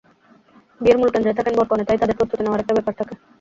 বিয়ের মূল কেন্দ্রে থাকেন বর-কনে, তাই তাঁদের প্রস্তুতি নেওয়ার একটা ব্যাপার থাকে।